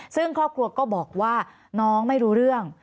ซึ่งครอบครัวก็บอกว่าน้องไม่รู้เรื่อง